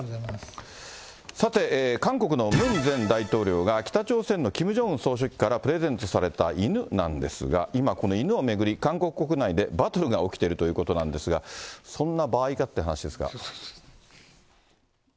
さて、韓国のムン前大統領が、北朝鮮のキム・ジョンウン総書記からプレゼントされた犬なんですが、今、この犬を巡り、韓国国内でバトルが起きているということなんですきのう。